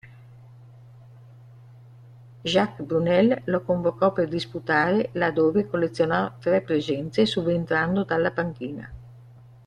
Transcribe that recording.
Jacques Brunel lo convocò per disputare la dove collezionò tre presenze subentrando dalla panchina.